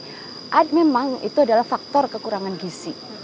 jadi memang itu adalah faktor kekurangan gizi